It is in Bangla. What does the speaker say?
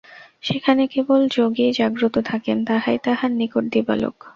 সেখানে কেবল যোগীই জাগ্রত থাকেন, তাহাই তাঁহার নিকট দিবালোক।